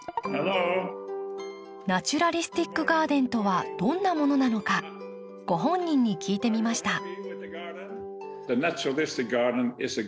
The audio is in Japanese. Ｈｅｌｌｏ．ナチュラリスティック・ガーデンとはどんなものなのかご本人に聞いてみました。